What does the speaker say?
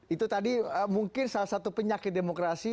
itu tadi mungkin salah satu penyakit demokrasi